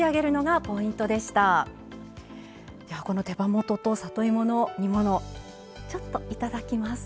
この手羽元と里芋の煮物ちょっといただきます。